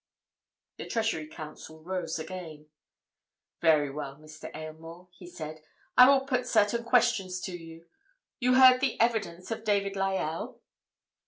The Treasury Counsel rose again. "Very well, Mr. Aylmore," he said. "I will put certain questions to you. You heard the evidence of David Lyell?"